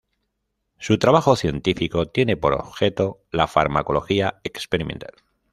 Su trabajo científico tiene por objeto la farmacología experimental.